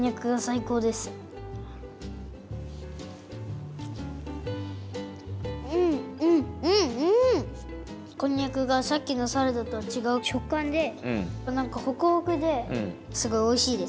こんにゃくがさっきのサラダとはちがうしょっかんでなんかホクホクですごいおいしいです。